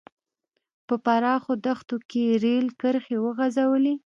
په پراخو دښتو کې یې رېل کرښې وغځولې.